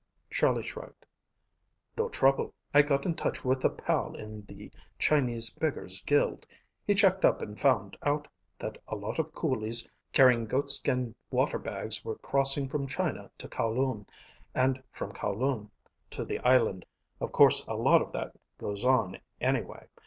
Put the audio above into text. Charlie shrugged. "No trouble. I got in touch with a pal in the Chinese Beggar's Guild. He checked up and found out that a lot of coolies carrying goatskin water bags were crossing from China to Kowloon and from Kowloon to the island. Of course a lot of that goes on, anyway.